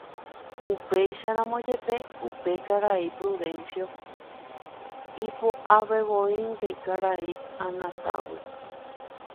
Upéicharamo jepe, upe karai Prudencio ipo'avevoínte karai Anatágui.